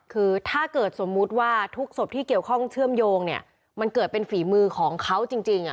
คือถ้าเกิดสมมุติว่าทุกศพที่เกี่ยวข้องเชื่อมโยงเนี่ยมันเกิดเป็นฝีมือของเขาจริง